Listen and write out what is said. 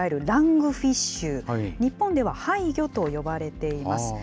ラングフィッシュ、日本では肺魚と呼ばれています。